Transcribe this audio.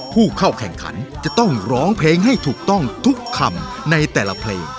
ผู้เข้าแข่งขันจะต้องร้องเพลงให้ถูกต้องทุกคำในแต่ละเพลง